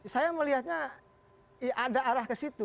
saya melihatnya ada arah ke situ